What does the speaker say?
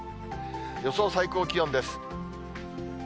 予想最高気温です。